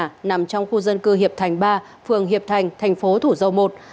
căn nhà nằm trong khu dân cư hiệp thành ba phường hiệp thành thành phố thủ dầu một